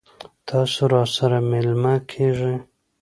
تاسو راسره میلمه کیږئ؟